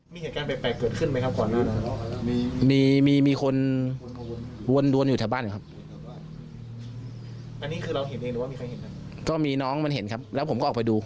มองว่านี่คือการวางแผนมาก่อนไหมหรือว่าแค่บังเอิญมาเจอ